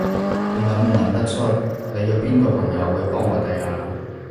你諗唔諗得出，你有邊個朋友會幫我哋啊？